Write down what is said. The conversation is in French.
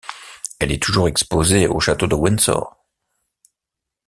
Elle est toujours exposée au château de Windsor.